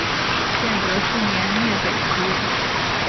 建德四年灭北齐。